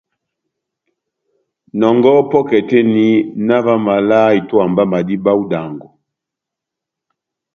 Nɔngɔhɔ pɔ́kɛ tɛ́h eni, na ová omaval a itówa mba madíba ó idango.